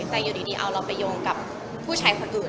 แต่อยู่ดีเอาเราไปโยงกับผู้ชายคนอื่น